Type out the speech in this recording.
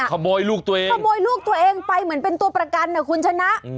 ขโมยลูกตัวเองขโมยลูกตัวเองไปเหมือนเป็นตัวประกันนะคุณชนะ